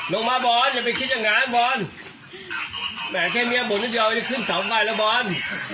ลงมาบอลอย่าไปคิดอย่างงานบอลแม่แค่เมียบ่นนิดเดียวได้ขึ้นเสาร์ไฟแล้วบอล